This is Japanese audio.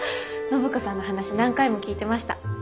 暢子さんの話何回も聞いてました。